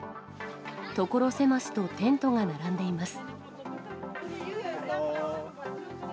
所狭しとテントが並んでいます。